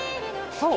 そう。